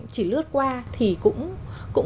chỉ lướt qua thì cũng